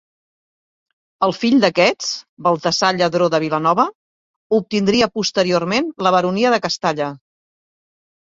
El fill d'aquests, Baltasar Lladró de Vilanova, obtindria posteriorment la baronia de Castalla.